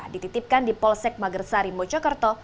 dititipkan di polsek magersari mojokerto